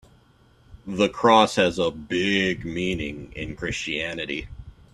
The cross has a big meaning in Christianity.